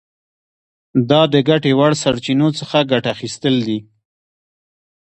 دا د ګټې وړ سرچینو څخه ګټه اخیستل دي.